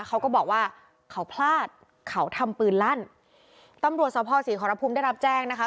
เขาก็บอกว่าเขาพลาดเขาทำปืนลั่นตำรวจสภศรีขอรพุมได้รับแจ้งนะคะ